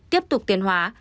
tiếp tục tiến hóa